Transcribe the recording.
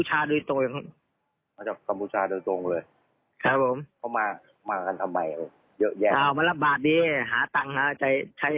หัวก็อยู่เมื่อปีแล้ว